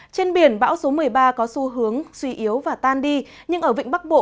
trên biển bão số một mươi ba có xu hướng suy yếu và tan đi nhưng ở vịnh bắc bộ